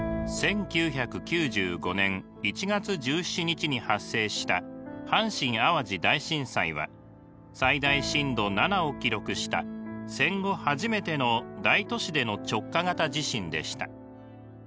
１９９５年１月１７日に発生した阪神・淡路大震災は最大震度７を記録した戦後初めての大都市での直下型地震でした。